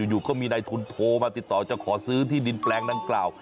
อยู่ก็มีนายทุนโทรมาติดต่อจะขอซื้อที่ดินแปลงดังกล่าว